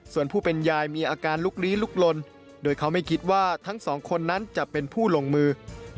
ส่วนผู้เป็นยายมีอาการลุกลี้ลุกลนโดยเขาไม่คิดว่าทั้งสองคนนั้นจะเป็นผู้ลงมือ